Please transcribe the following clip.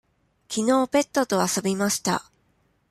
きのうペットと遊びました。